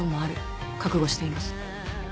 覚悟しています。